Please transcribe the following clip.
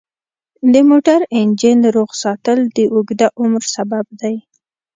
د موټر انجن روغ ساتل د اوږده عمر سبب دی.